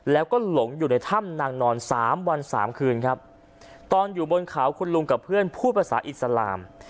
แล้วก็หลงอยู่ในถ้ำนางนอนสามวันสามคืนครับตอนอยู่บนเขาคุณลุงกับเพื่อนพูดภาษาอิสลาม